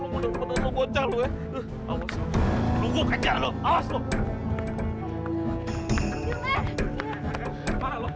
pertemukan kembali hamba dengan papa hamba